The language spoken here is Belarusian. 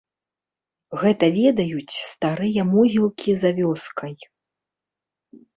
Гэта ведаюць старыя могілкі за вёскай.